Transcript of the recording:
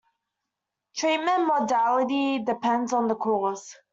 Treatment modality depends on the cause.